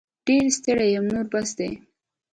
ډير ستړې یم نور بس دی